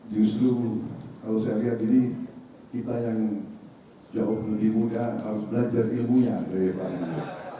justru kalau saya lihat ini kita yang jauh lebih muda harus belajar ilmunya daripada ini